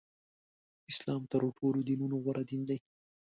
اسلام تر ټولو دینونو غوره دین دی.